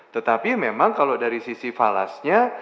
tetapi memang kalau dari sisi falasnya